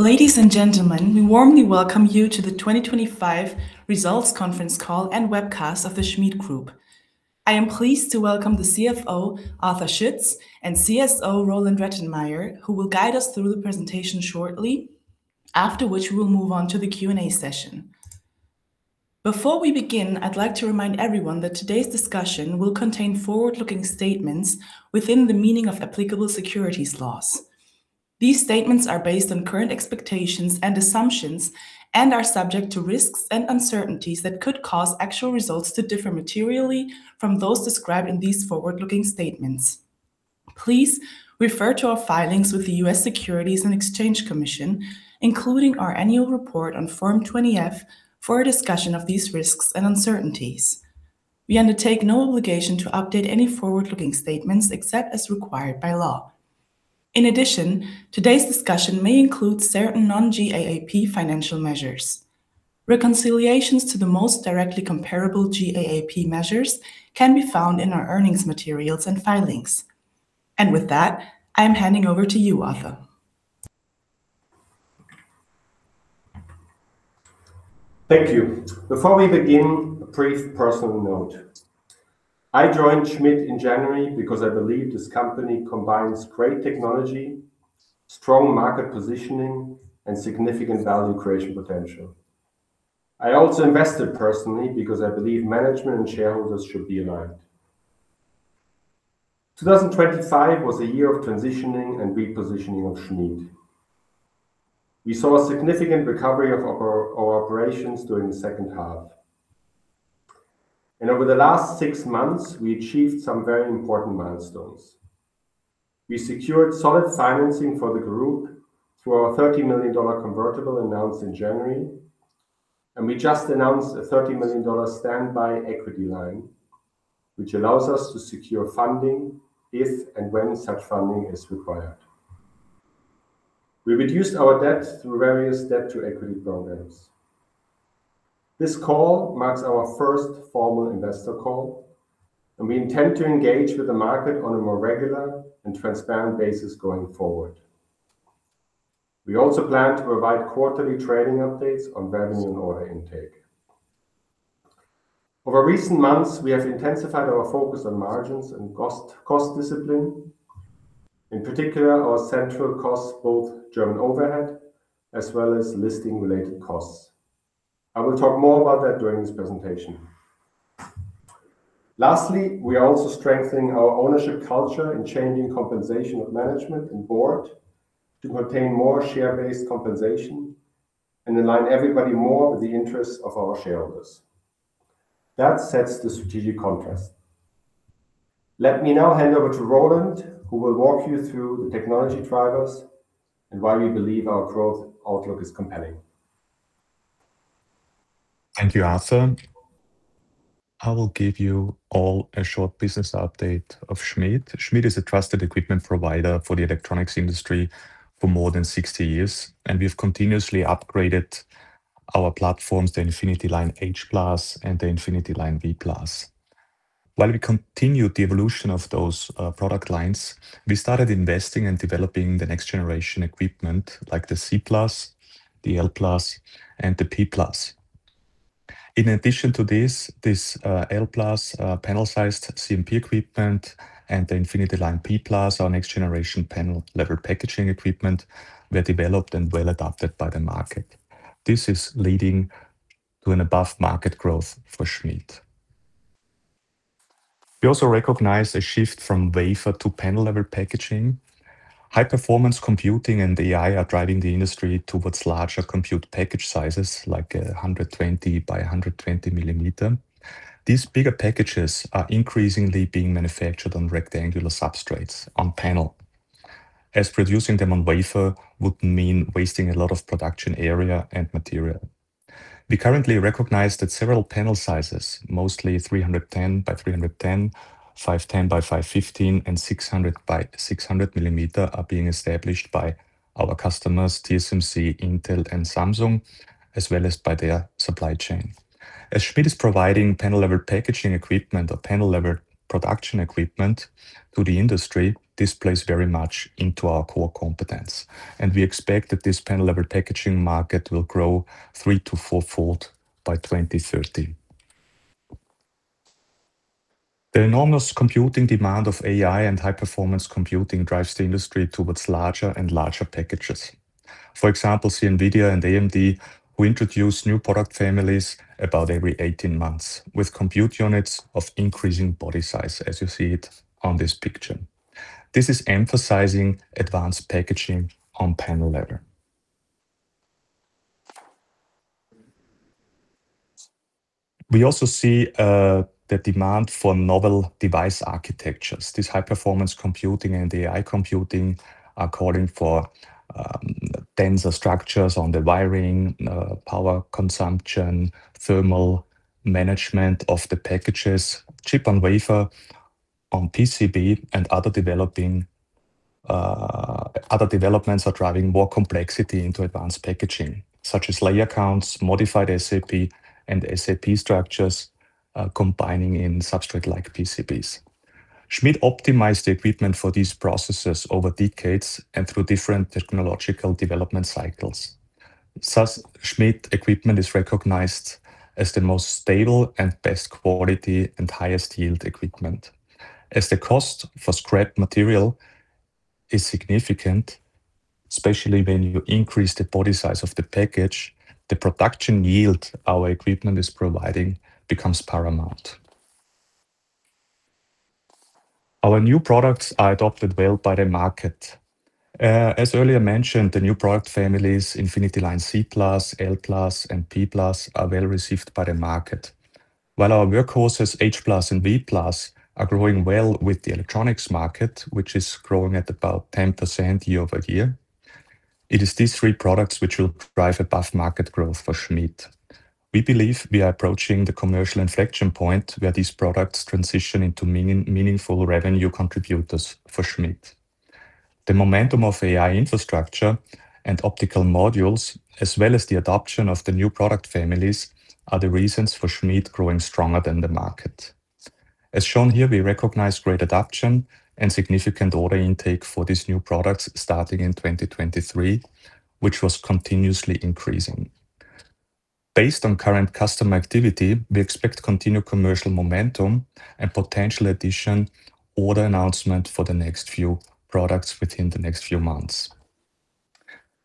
Ladies and gentlemen, we warmly welcome you to the 2025 results conference call and webcast of the SCHMID Group. I am pleased to welcome the CFO, Arthur Schütz, and CSO, Roland Rettenmeier who will guide us through the presentation shortly, after which we will move on to the Q&A session. Before we begin, I'd like to remind everyone that today's discussion will contain forward-looking statements within the meaning of applicable securities laws. These statements are based on current expectations and assumptions, and are subject to risks and uncertainties that could cause actual results to differ materially from those described in these forward-looking statements. Please refer to our filings with the U.S. Securities and Exchange Commission, including our annual report on Form 20-F for a discussion of these risks and uncertainties. We undertake no obligation to update any forward-looking statements except as required by law. In addition, today's discussion may include certain non-GAAP financial measures. Reconciliations to the most directly comparable GAAP measures can be found in our earnings materials and filings. With that, I am handing over to you, Arthur. Thank you. Before we begin, a brief personal note. I joined SCHMID in January because I believe this company combines great technology, strong market positioning, and significant value creation potential. I also invested personally because I believe management and shareholders should be aligned. 2025 was a year of transitioning and repositioning of SCHMID. We saw a significant recovery of our operations during the H2. Over the last six months, we achieved some very important milestones. We secured solid financing for the group through our $30 million convertible announced in January, and we just announced a $30 million standby equity line, which allows us to secure funding if and when such funding is required. We reduced our debt through various debt-to-equity programs. This call marks our first formal investor call. We intend to engage with the market on a more regular and transparent basis going forward. We also plan to provide quarterly trading updates on revenue and order intake. Over recent months, we have intensified our focus on margins and cost discipline, in particular our central costs, both German overhead as well as listing-related costs. I will talk more about that during this presentation. We are also strengthening our ownership culture and changing compensation of management and board to contain more share-based compensation and align everybody more with the interests of our shareholders. That sets the strategic context. Let me now hand over to Roland, who will walk you through the technology drivers and why we believe our growth outlook is compelling. Thank you, Arthur. I will give you all a short business update of SCHMID. SCHMID is a trusted equipment provider for the electronics industry for more than 60 years, and we have continuously upgraded our platforms, the InfinityLine H+ and the InfinityLine V+. While we continued the evolution of those product lines, we started investing and developing the next-generation equipment like the C+, the L+, and the P+. In addition to this L+ panel-sized CMP equipment and the InfinityLine P+, our next-generation panel-level packaging equipment, were developed and well-adopted by the market. This is leading to an above-market growth for SCHMID. We also recognize a shift from wafer to panel-level packaging. High-performance computing and AI are driving the industry towards larger compute package sizes, like 120 mm by 120 mm. These bigger packages are increasingly being manufactured on rectangular substrates on panel, as producing them on wafer would mean wasting a lot of production area and material. We currently recognize that several panel sizes, mostly 310 mm by 310 mm, 510 mm by 515 mm, and 600 mm by 600 mm, are being established by our customers, TSMC, Intel, and Samsung, as well as by their supply chain. As SCHMID is providing panel-level packaging equipment or panel-level production equipment to the industry, this plays very much into our core competence, and we expect that this panel-level packaging market will grow 3-4-fold by 2030. The enormous computing demand of AI and high-performance computing drives the industry towards larger and larger packages. For example, see Nvidia and AMD, who introduce new product families about every 18 months with compute units of increasing body size, as you see it on this picture. This is emphasizing advanced packaging on panel level. We also see the demand for novel device architectures. This high-performance computing and AI computing are calling for denser structures on the wiring, power consumption, thermal management of the packages, Chip-on-Wafer, on PCB, and other developing, other developments are driving more complexity into advanced packaging, such as layer counts, modified SAP and SAP structures combining in Substrate-Like PCBs. SCHMID optimized the equipment for these processes over decades and through different technological development cycles. Thus, SCHMID equipment is recognized as the most stable and best quality and highest yield equipment. As the cost for scrap material is significant, especially when you increase the body size of the package, the production yield our equipment is providing becomes paramount. Our new products are adopted well by the market. As earlier mentioned, the new product families, InfinityLine C+, L+, and P+ are well-received by the market. Our workhorses, H+ and V+, are growing well with the electronics market, which is growing at about 10% year-over-year, it is these three products which will drive above-market growth for SCHMID. We believe we are approaching the commercial inflection point where these products transition into meaningful revenue contributors for SCHMID. The momentum of AI infrastructure and optical modules, as well as the adoption of the new product families, are the reasons for SCHMID growing stronger than the market. As shown here, we recognize great adoption and significant order intake for these new products starting in 2023, which was continuously increasing. Based on current customer activity, we expect continued commercial momentum and potential addition order announcement for the next few products within the next few months.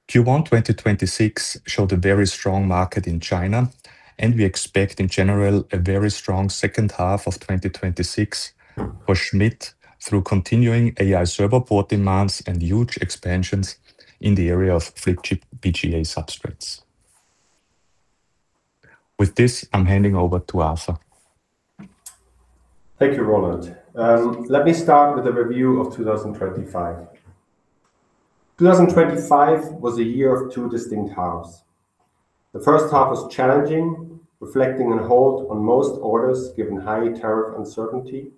Q1, 2026 showed a very strong market in China. We expect, in general, a very strong H2 of 2026 for SCHMID through continuing AI server port demands and huge expansions in the area of flip chip BGA substrates. With this, I am handing over to Arthur. Thank you, Roland. Let me start with a review of 2025. 2025 was a year of two distinct halves. The H1 was challenging, reflecting a hold on most orders given high tariff uncertainty,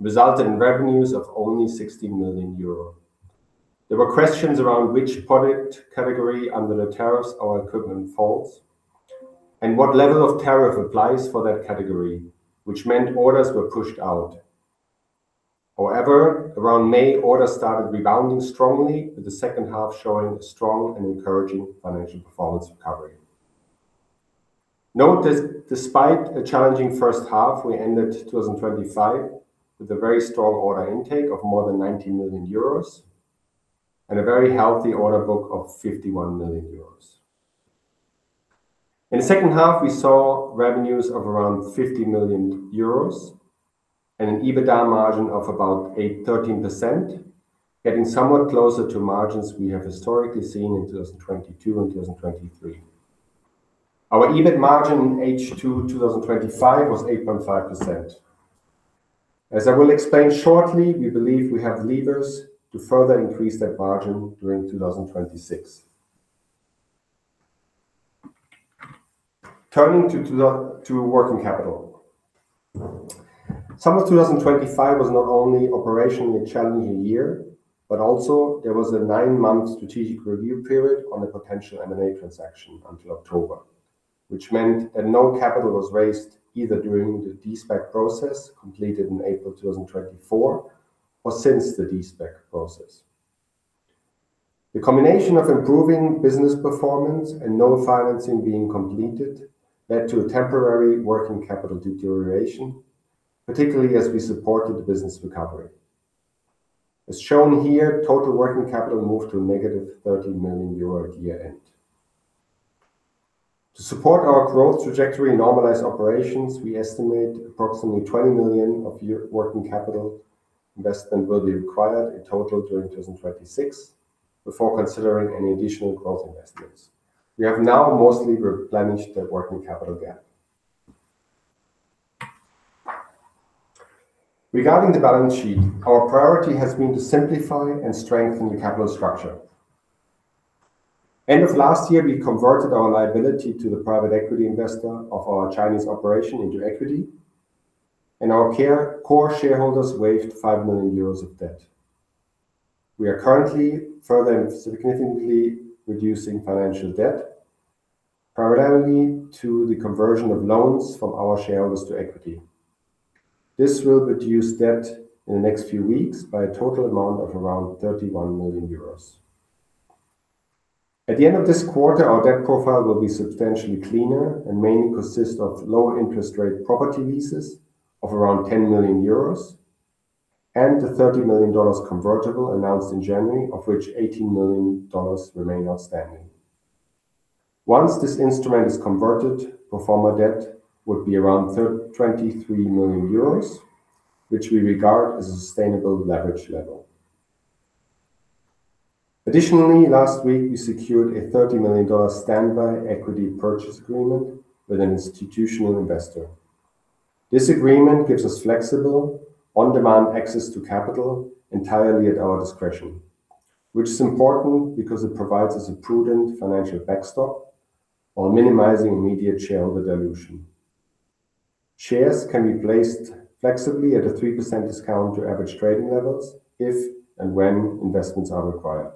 resulted in revenues of only 60 million euros. There were questions around which product category under the tariffs our equipment falls, and what level of tariff applies for that category, which meant orders were pushed out. Around May, orders started rebounding strongly, with the H2 showing a strong and encouraging financial performance recovery. Note that despite a challenging H1, we ended 2025 with a very strong order intake of more than 90 million euros and a very healthy order book of 51 million euros. In the H2, we saw revenues of around 50 million euros and an EBITDA margin of about 8%-13%, getting somewhat closer to margins we have historically seen in 2022 and 2023. Our EBIT margin in H2 2025 was 8.5%. As I will explain shortly, we believe we have levers to further increase that margin during 2026. Turning to working capital. Summer 2025 was not only operationally a challenging year, but also there was a nine-month strategic review period on a potential M&A transaction until October, which meant that no capital was raised either during the de-SPAC process completed in April 2024 or since the de-SPAC process. The combination of improving business performance and no financing being completed led to a temporary working capital deterioration, particularly as we supported the business recovery. As shown here, total working capital moved to a -13 million euro at year-end. To support our growth trajectory and normalize operations, we estimate approximately 20 million of year working capital investment will be required in total during 2026 before considering any additional growth investments. We have now mostly replenished that working capital gap. Regarding the balance sheet, our priority has been to simplify and strengthen the capital structure. End of last year, we converted our liability to the private equity investor of our Chinese operation into equity, and our core shareholders waived 5 million euros of debt. We are currently further and significantly reducing financial debt parallelly to the conversion of loans from our shareholders to equity. This will reduce debt in the next few weeks by a total amount of around 31 million euros. At the end of this quarter, our debt profile will be substantially cleaner and mainly consist of lower interest rate property leases of around 10 million euros and the $30 million convertible announced in January, of which $18 million remain outstanding. Once this instrument is converted, pro forma debt would be around 23 million euros, which we regard as a sustainable leverage level. Additionally, last week, we secured a $30 million standby equity purchase agreement with an institutional investor. This agreement gives us flexible, on-demand access to capital entirely at our discretion, which is important because it provides us a prudent financial backstop while minimizing immediate shareholder dilution. Shares can be placed flexibly at a 3% discount to average trading levels if and when investments are required.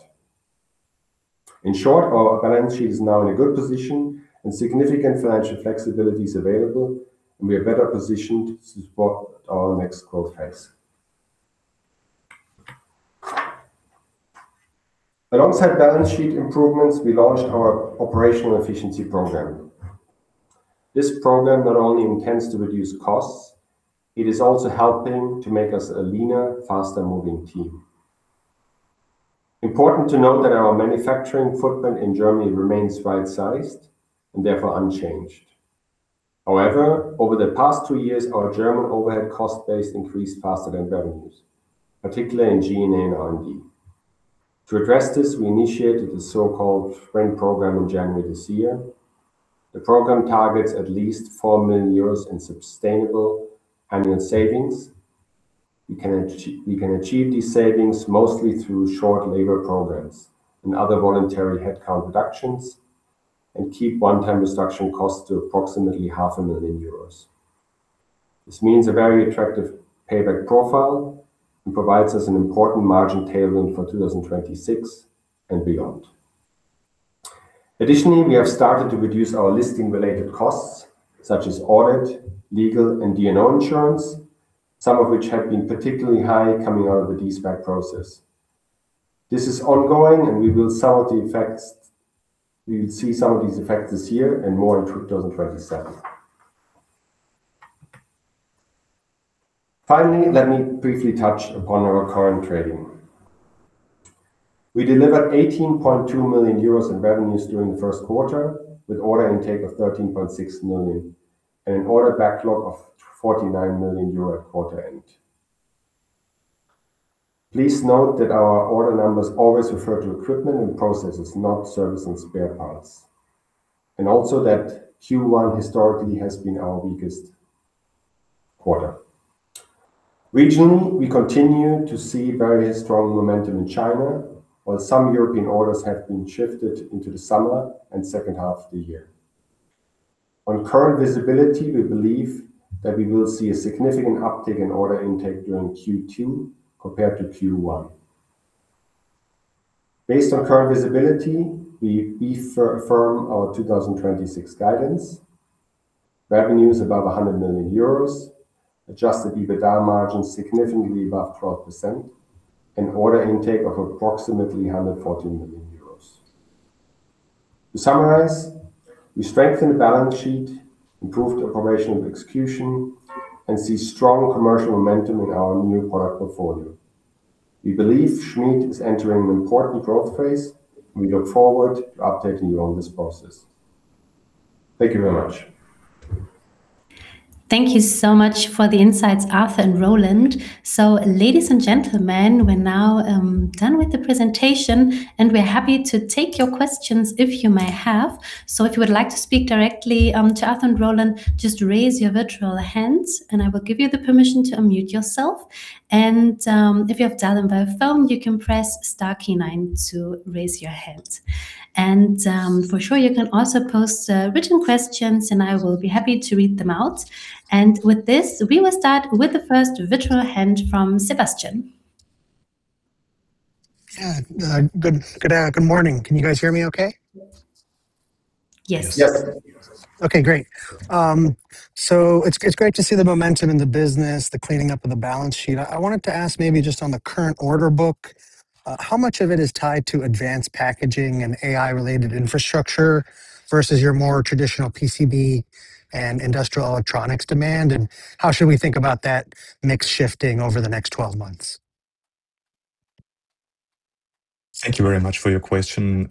In short, our balance sheet is now in a good position and significant financial flexibility is available. We are better positioned to support our next growth phase. Alongside balance sheet improvements, we launched our operational efficiency program. This program not only intends to reduce costs, it is also helping to make us a leaner, faster-moving team. Important to note that our manufacturing footprint in Germany remains right-sized and therefore unchanged. However, over the past two years, our German overhead cost base increased faster than revenues, particularly in G&A and R&D. To address this, we initiated the so-called FRIP program in January this year. The program targets at least 4 million euros in sustainable annual savings. We can achieve these savings mostly through short labor programs and other voluntary headcount reductions, and keep one-time reduction costs to approximately 500,000 euros. This means a very attractive payback profile and provides us an important margin tailwind for 2026 and beyond. Additionally, we have started to reduce our listing-related costs, such as audit, legal, and D&O insurance, some of which have been particularly high coming out of the de-SPAC process. This is ongoing, we will see some of these effects this year and more in 2027. Finally, let me briefly touch upon our current trading. We delivered 18.2 million euros in revenues during the Q1, with order intake of 13.6 million and an order backlog of 49 million euro at quarter end. Please note that our order numbers always refer to equipment and processes, not service and spare parts. Q1 historically has been our weakest quarter. Regionally, we continue to see very strong momentum in China, while some European orders have been shifted into the summer and H2 of the year. On current visibility, we believe that we will see a significant uptick in order intake during Q2 compared to Q1. Based on current visibility, we reaffirm our 2026 guidance, revenues above 100 million euros, adjusted EBITDA margin significantly above 12%, and order intake of approximately 114 million euros. To summarize, we strengthened the balance sheet, improved operational execution, and see strong commercial momentum in our new product portfolio. We believe SCHMID is entering an important growth phase, and we look forward to updating you on this process. Thank you very much. Thank you so much for the insights, Arthur and Roland. Ladies and gentlemen, we're now done with the presentation, and we're happy to take your questions if you may have. If you would like to speak directly to Arthur and Roland, just raise your virtual hands, and I will give you the permission to unmute yourself. If you have dialed in via phone, you can press star key nine to raise your hand. For sure you can also post written questions, and I will be happy to read them out. With this, we will start with the first virtual hand from Sebastian. Yeah. Good morning. Can you guys hear me okay? Yes. Yes. Okay, great. It's great to see the momentum in the business, the cleaning up of the balance sheet. I wanted to ask maybe just on the current order book, how much of it is tied to advanced packaging and AI-related infrastructure versus your more traditional PCB and industrial electronics demand, and how should we think about that mix shifting over the next 12 months? Thank you very much for your question.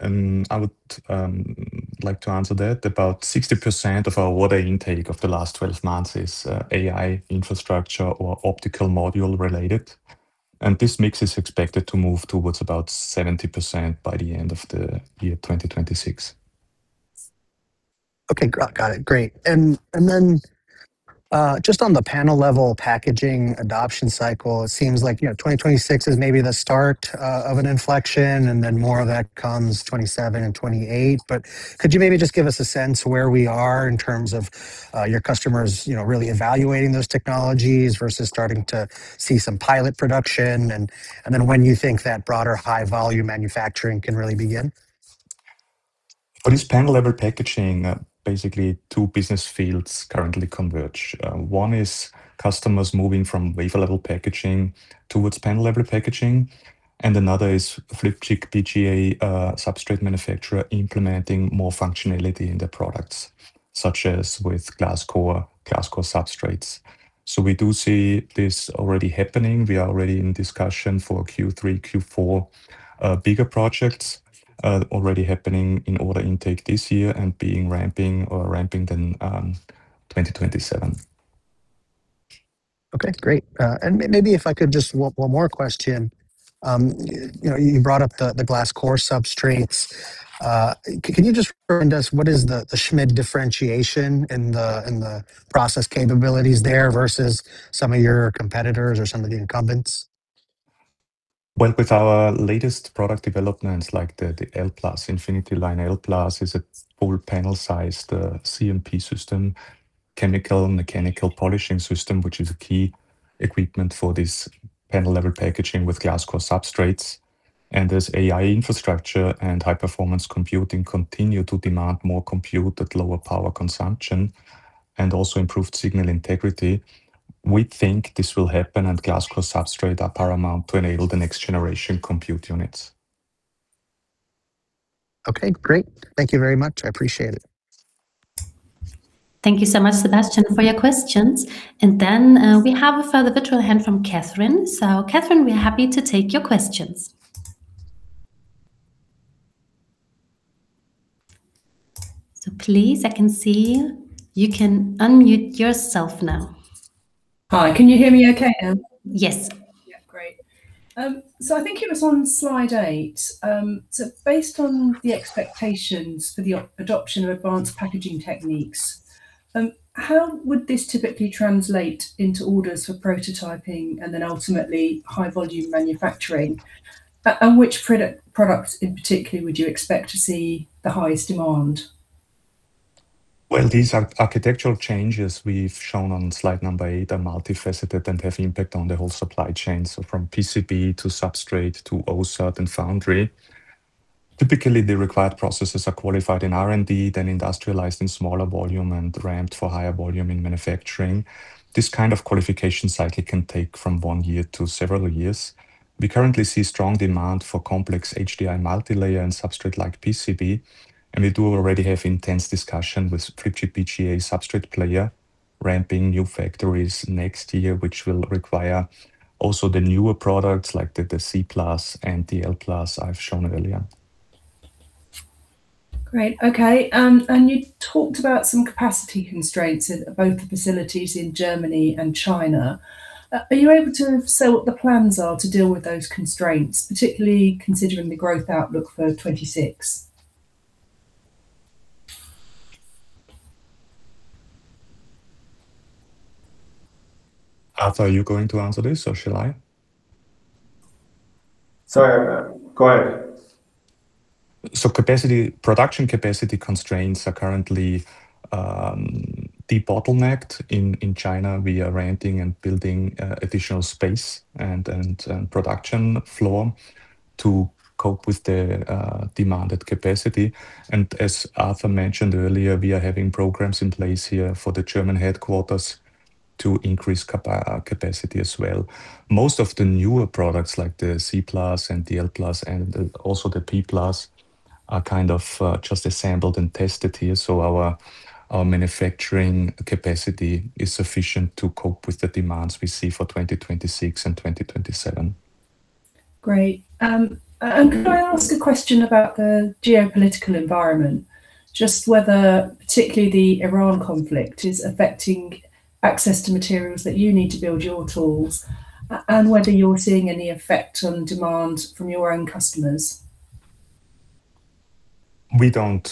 I would like to answer that. About 60% of our order intake of the last 12 months is AI infrastructure or optical module related. This mix is expected to move towards about 70% by the end of 2026. Okay. Got it. Great. Then, just on the panel-level packaging adoption cycle, it seems like, you know, 2026 is maybe the start of an inflection, and then more of that comes 2027 and 2028. Could you maybe just give us a sense where we are in terms of your customers, you know, really evaluating those technologies versus starting to see some pilot production and then when you think that broader high-volume manufacturing can really begin? For this panel-level packaging, basically two business fields currently converge. One is customers moving from wafer-level packaging towards panel-level packaging, and another is flip chip BGA substrate manufacturer implementing more functionality in their products, such as with glass core substrates. We do see this already happening. We are already in discussion for Q3, Q4, bigger projects, already happening in order intake this year and ramping in 2027. Okay, great. Maybe if I could just one more question. You know, you brought up the glass core substrates. Can you just remind us what is the SCHMID differentiation in the process capabilities there versus some of your competitors or some of the incumbents? Well, with our latest product developments like the InfinityLine L+, is a full panel-sized CMP system, chemical mechanical polishing system, which is a key equipment for this panel-level packaging with glass core substrates. As AI infrastructure and high performance computing continue to demand more compute at lower power consumption and also improved signal integrity, we think this will happen and glass core substrates are paramount to enable the next generation compute units. Okay, great. Thank you very much. I appreciate it. Thank you so much, Sebastian, for your questions. We have a further virtual hand from Catherine. Catherine, we are happy to take your questions. Please, I can see you. You can unmute yourself now. Hi. Can you hear me okay now? Yes. Yeah, great. I think it was on slide 8. Based on the expectations for the adoption of advanced packaging techniques, how would this typically translate into orders for prototyping and then ultimately high volume manufacturing? And which products in particular would you expect to see the highest demand? These architectural changes we've shown on slide number 8 are multifaceted and have impact on the whole supply chain, so from PCB to substrate to OSAT and foundry. Typically, the required processes are qualified in R&D, then industrialized in smaller volume and ramped for higher volume in manufacturing. This kind of qualification cycle can take from one year to several years. We currently see strong demand for complex HDI multilayer and Substrate-Like PCB, and we do already have intense discussion with Flip-Chip PGA substrate player ramping new factories next year, which will require also the newer products like the C+ and the L+ I've shown earlier. Great. Okay. You talked about some capacity constraints at both the facilities in Germany and China. Are you able to say what the plans are to deal with those constraints, particularly considering the growth outlook for 2026? Arthur, are you going to answer this or shall I? Sorry about that. Go ahead. Capacity, production capacity constraints are currently de-bottlenecked in China via renting and building additional space and production floor to cope with the demanded capacity. As Arthur mentioned earlier, we are having programs in place here for the German headquarters to increase capacity as well. Most of the newer products like the C+ and the L+ and the, also the P+ are kind of just assembled and tested here. Our manufacturing capacity is sufficient to cope with the demands we see for 2026 and 2027. Great. Could I ask a question about the geopolitical environment, just whether particularly the Iran conflict is affecting access to materials that you need to build your tools, and whether you're seeing any effect on demand from your own customers? We don't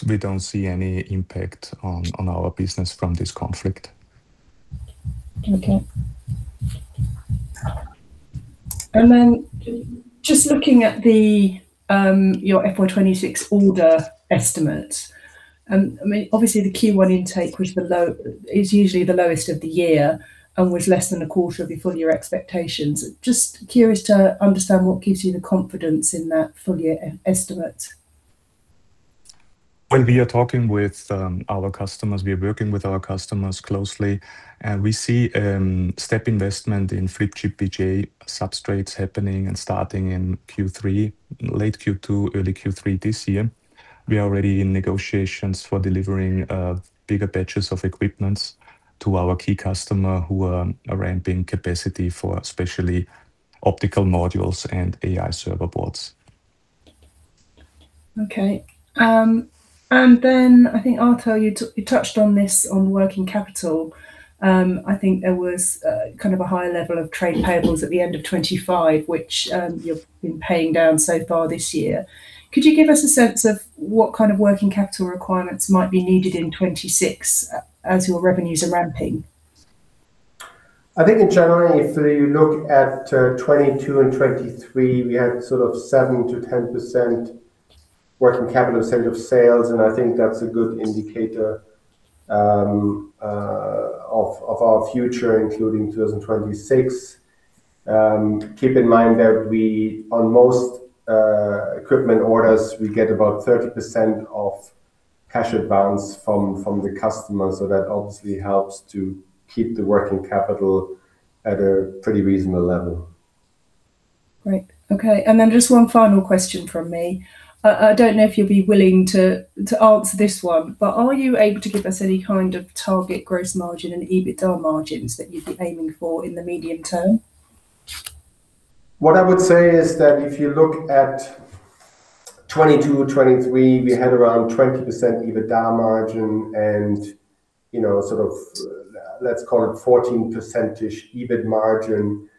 see any impact on our business from this conflict. Okay. Just looking at the, your FY 2026 order estimate, I mean, obviously the Q1 intake is usually the lowest of the year and was less than a quarter of your full year expectations. Just curious to understand what gives you the confidence in that full year e-estimate. We are talking with our customers. We are working with our customers closely. We see step investment in Flip-Chip PGA substrates happening and starting in Q3, late Q2, early Q3 this year. We are already in negotiations for delivering bigger batches of equipment to our key customer who are ramping capacity for especially optical modules and AI server boards. Okay. I think, Arthur, you touched on this on working capital. I think there was kind of a high level of trade payables at the end of 2025, which you've been paying down so far this year. Could you give us a sense of what kind of working capital requirements might be needed in 2026 as your revenues are ramping? I think in general, if you look at 2022 and 2023, we had sort of 7%-10% working capital percent of sales, and I think that's a good indicator of our future, including 2026. Keep in mind that we on most equipment orders, we get about 30% of cash advance from the customer. That obviously helps to keep the working capital at a pretty reasonable level. Great. Okay. Just one final question from me. I don't know if you'd be willing to answer this one, but are you able to give us any kind of target gross margin and EBITDA margins that you'd be aiming for in the medium term? What I would say is that if you look at 2022, 2023, we had around 20% EBITDA margin and, you know, sort of, let's call it 14% EBIT margin.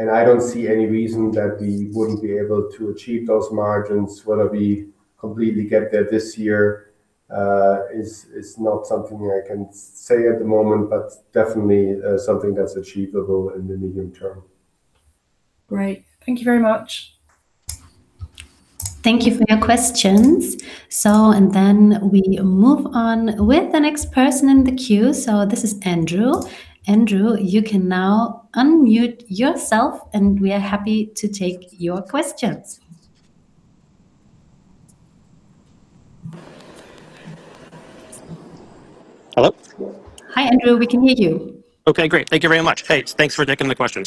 I don't see any reason that we wouldn't be able to achieve those margins. Whether we completely get there this year, is not something I can say at the moment, but definitely, something that's achievable in the medium term. Great. Thank you very much. Thank you for your questions. Then we move on with the next person in the queue. This is Andrew. Andrew, you can now unmute yourself, and we are happy to take your questions. Hello? Hi Andrew, we can hear you. Okay, great. Thank you very much. Hey, thanks for taking the question.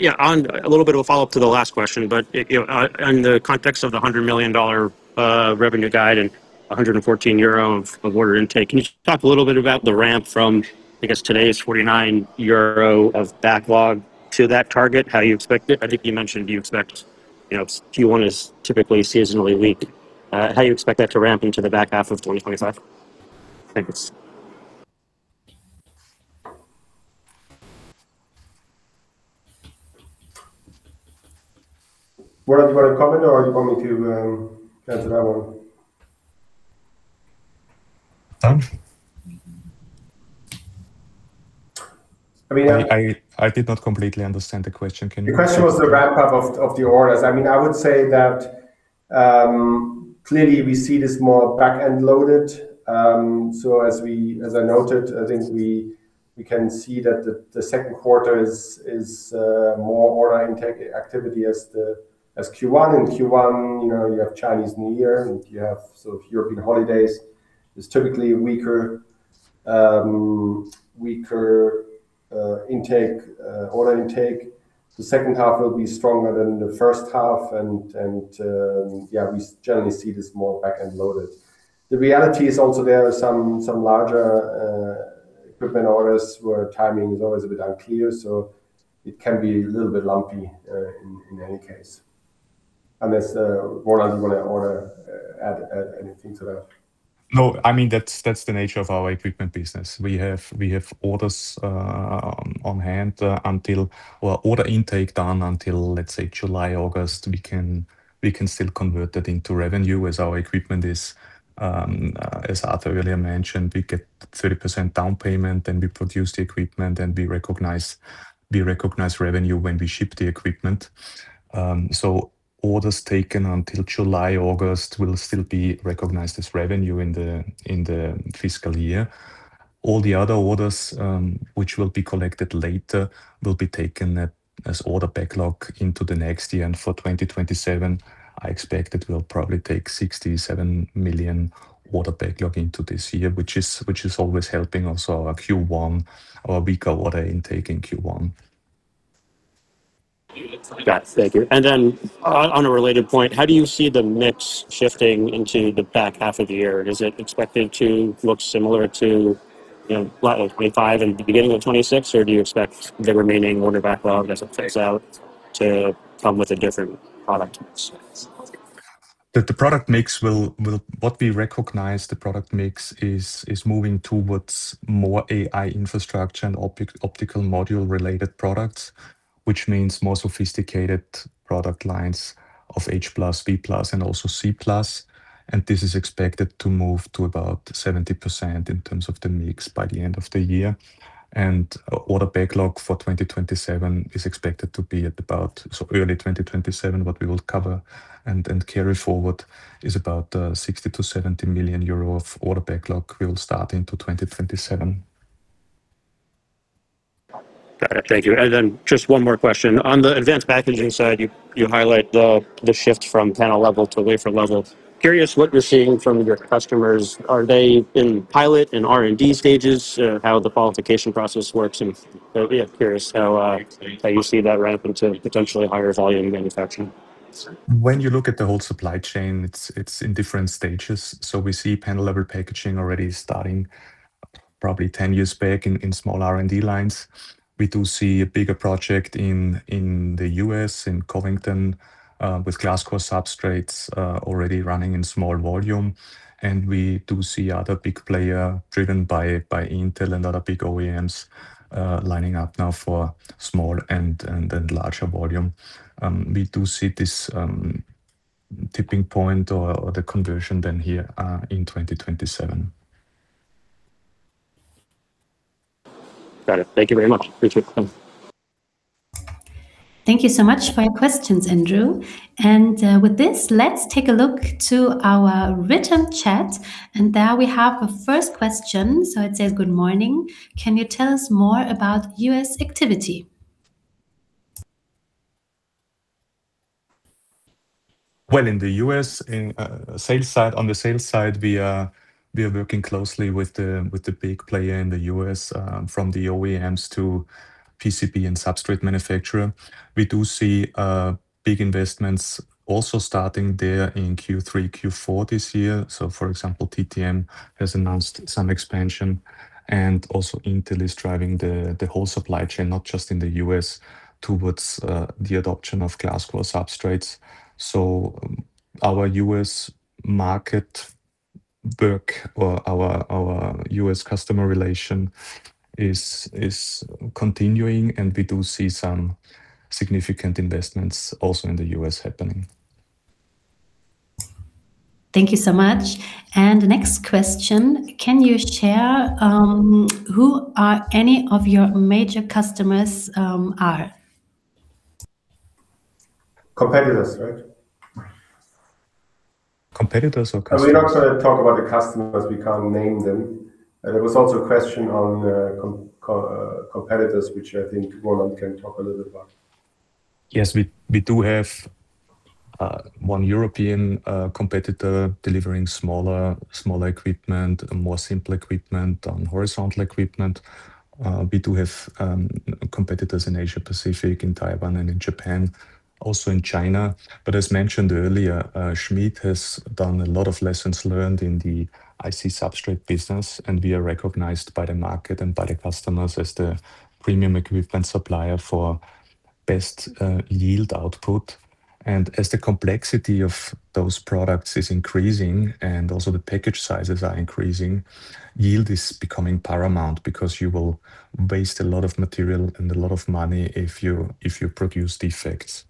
Yeah, on a little bit of a follow-up to the last question, but, you know, in the context of the $100 million revenue guide and 114 euro of order intake, can you just talk a little bit about the ramp from, I guess, today's 49 euro of backlog to that target? How you expect it? I think you mentioned you expect, you know, Q1 is typically seasonally weak. How you expect that to ramp into the H2 of 2025? Thanks. Roland, do you want to comment or do you want me to answer that one? Andrew? I mean- I did not completely understand the question. Can you repeat it? The question was the ramp up of the orders. I mean, I would say that clearly we see this more back-end loaded. As I noted, I think we can see that the second quarter is more order intake activity as Q1. In Q1, you know, you have Chinese New Year and you have sort of European holidays. It's typically weaker order intake. The H2 will be stronger than the H1 and, yeah, we generally see this more back-end loaded. The reality is also there are some larger equipment orders where timing is always a bit unclear, so it can be a little bit lumpy in any case. Unless Roland, you wanna add anything to that? No, that's the nature of our equipment business. We have orders on hand or order intake done until July, August. We can still convert that into revenue as our equipment is, as Arthur earlier mentioned, we get 30% down payment, then we produce the equipment, and we recognize revenue when we ship the equipment. Orders taken until July, August will still be recognized as revenue in the fiscal year. All the other orders, which will be collected later, will be taken as order backlog into the next year. For 2027, I expect it will probably take 67 million order backlog into this year, which is always helping also our Q1, our weaker order intake in Q1. Got it. Thank you. Then on a related point, how do you see the mix shifting into the H2 of the year? Is it expected to look similar to, you know, level 2025 and the beginning of 2026, or do you expect the remaining order backlog as it fades out to come with a different product mix? The product mix will- what we recognize the product mix is moving towards more AI infrastructure and optical module related products, which means more sophisticated product lines of H+, P+, and also C+. This is expected to move to about 70% in terms of the mix by the end of the year. Order backlog for 2027 is expected to be at about, so early 2027, what we will cover and carry forward is about 60 million-70 million euro of order backlog will start into 2027. Got it. Thank you. Just one more question. On the advanced packaging side, you highlight the shift from panel-level packaging to wafer-level packaging. Curious what you're seeing from your customers. Are they in pilot and R&D stages, how the qualification process works? Yeah, curious how you see that ramp into potentially higher volume manufacturing. When you look at the whole supply chain, it's in different stages. We see panel-level packaging already starting probably 10 years back in small R&D lines. We do see a bigger project in the U.S., in Covington, with glass core substrates already running in small volume. We do see other big player driven by Intel and other big OEMs lining up now for small and then larger volume. We do see this tipping point or the conversion then here in 2027. Got it. Thank you very much. Appreciate the time. Thank you so much for your questions, Andrew. With this, let's take a look to our written chat. There we have a first question. It says, "Good morning. Can you tell us more about U.S. activity? Well, in the U.S., on the sales side, we are working closely with the big player in the U.S., from the OEMs to PCB and substrate manufacturer. We do see big investments also starting there in Q3, Q4 this year. For example, TTM has announced some expansion, and Intel is driving the whole supply chain, not just in the U.S., towards the adoption of glass core substrates. Our U.S. market work or our U.S. customer relation is continuing, and we do see some significant investments also in the U.S. happening. Thank you so much. The next question, can you share who are any of your major customers are? Competitors, right? Competitors or customers? We're not gonna talk about the customers. We can't name them. There was also a question on competitors, which I think Roland can talk a little bit about. Yes. We do have one European competitor delivering smaller equipment, more simple equipment on horizontal equipment. We do have competitors in Asia Pacific, in Taiwan and in Japan, also in China. As mentioned earlier, SCHMID has done a lot of lessons learned in the IC substrate business, and we are recognized by the market and by the customers as the premium equipment supplier for best yield output. As the complexity of those products is increasing and also the package sizes are increasing, yield is becoming paramount because you will waste a lot of material and a lot of money if you produce defects.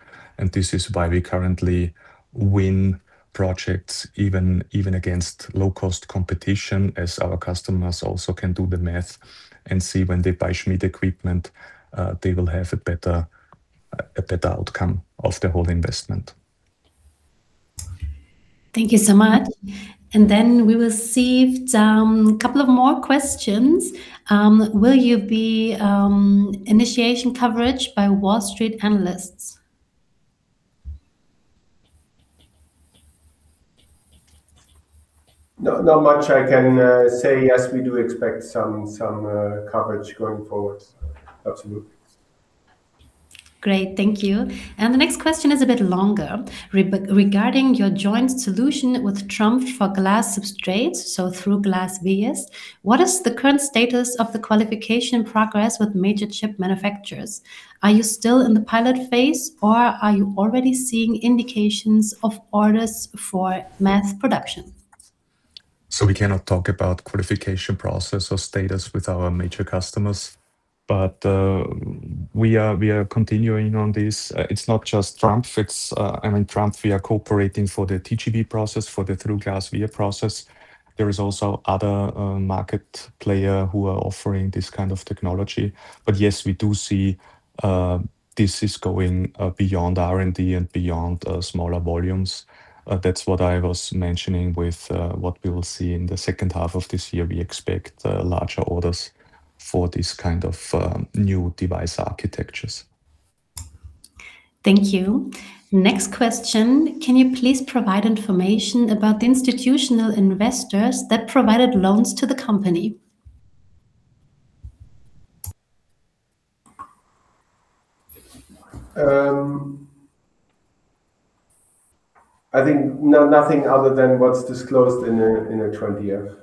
This is why we currently win projects even against low-cost competition, as our customers also can do the math and see when they buy SCHMID equipment, they will have a better outcome of the whole investment. Thank you so much. We received couple of more questions. Will you be initiating coverage by Wall Street analysts? Not much I can say. Yes, we do expect some coverage going forward. Absolutely. Great. Thank you. The next question is a bit longer regarding your joint solution with TRUMPF for glass substrates, so Through Glass Vias. What is the current status of the qualification progress with major chip manufacturers? Are you still in the pilot phase, or are you already seeing indications of orders for mass production? We cannot talk about qualification process or status with our major customers. We are continuing on this. It's not just TRUMPF, we are cooperating for the TGV process, for the through glass via process. There is also other market player who are offering this kind of technology. Yes, we do see this is going beyond R&D and beyond smaller volumes. That's what I was mentioning with what we will see in the H2 of this year. We expect larger orders for this kind of new device architectures. Thank you. Next question, can you please provide information about the institutional investors that provided loans to the company? I think nothing other than what's disclosed in a 20-F.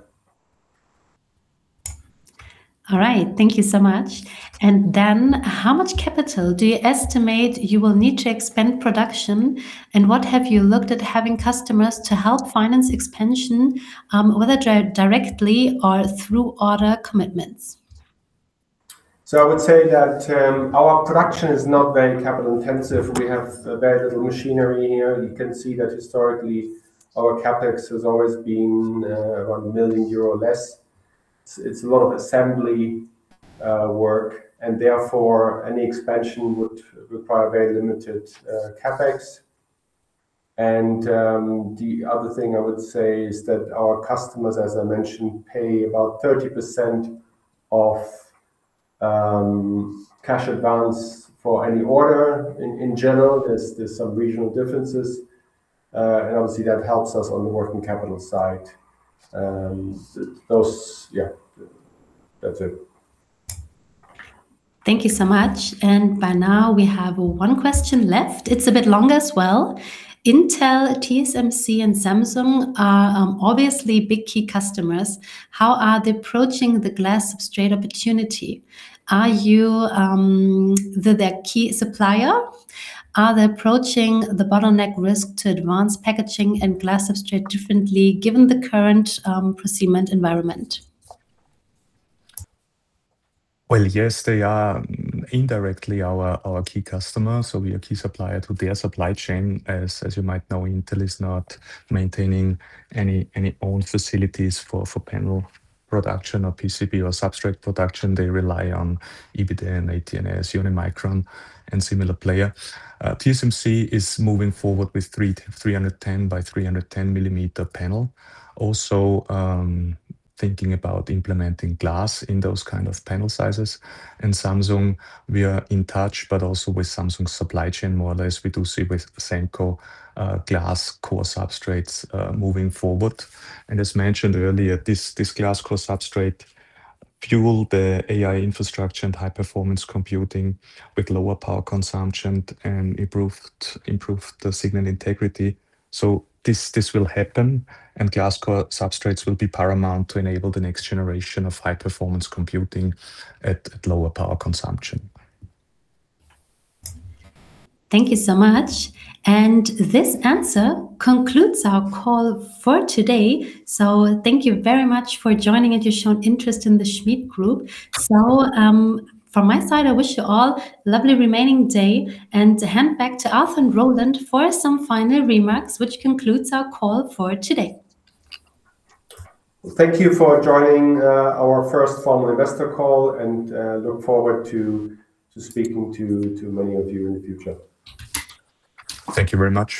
All right. Thank you so much. How much capital do you estimate you will need to expand production, and what have you looked at having customers to help finance expansion, whether directly or through order commitments? I would say that our production is not very capital-intensive. We have very little machinery here. You can see that historically our CapEx has always been around 1 million euro or less. It's a lot of assembly work, and therefore any expansion would require very limited CapEx. The other thing I would say is that our customers, as I mentioned, pay about 30% of cash advance for any order in general. There's some regional differences. Obviously that helps us on the working capital side. Yeah. That's it. Thank you so much. By now we have one question left. It's a bit longer as well. Intel, TSMC and Samsung are obviously big key customers. How are they approaching the glass substrate opportunity? Are you their key supplier? Are they approaching the bottleneck risk to advanced packaging and glass substrate differently given the current procurement environment? Yes, they are indirectly our key customer, so we are a key supplier to their supply chain. As you might know, Intel is not maintaining any own facilities for panel production or PCB or substrate production. They rely on Ibiden, DNS, Unimicron and similar player. TSMC is moving forward with 310 mm by 310 mm panel. Also, thinking about implementing glass in those kind of panel sizes. Samsung, we are in touch, but also with Samsung supply chain, more or less, we do see with SEMCO, glass core substrates moving forward. As mentioned earlier, this glass core substrate fuel the AI infrastructure and high-performance computing with lower power consumption and improved the signal integrity. This will happen, and glass core substrates will be paramount to enable the next generation of high-performance computing at lower power consumption. Thank you so much. This answer concludes our call for today. Thank you very much for joining and your shown interest in the SCHMID Group. From my side, I wish you all lovely remaining day and hand back to Arthur and Roland for some final remarks, which concludes our call for today. Thank you for joining our first formal investor call, and look forward to speaking to many of you in the future. Thank you very much.